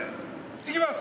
いきます。